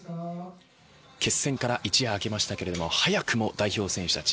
決戦から一夜明けましたけれども早くも代表選手たち